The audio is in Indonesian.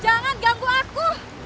jangan ganggu aku